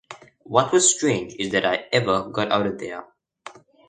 "What was strange is that I ever got out of there".